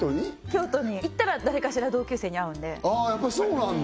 京都に行ったら誰かしら同級生に会うんでああやっぱそうなんだ